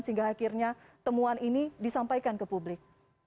sehingga akhirnya temuan ini disampaikan ke publik